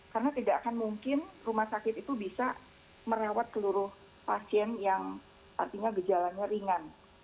karena tidak akan mungkin rumah sakit itu bisa merawat seluruh pasien yang artinya gejalannya ringan